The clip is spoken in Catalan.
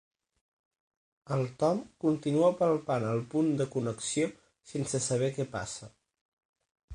El Tom continua palplantat al punt de connexió, sense saber què passa.